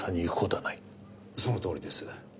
そのとおりです。